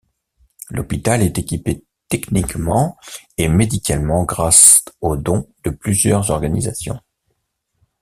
L'hôpital est équipé techniquement et médicalement grâce aux dons de plusieurs organisations.